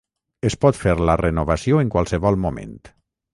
Es pot fer la renovació en qualsevol moment.